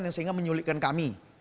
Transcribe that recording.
yang sehingga menyulikkan kami